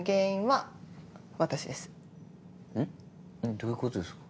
どういうことですか？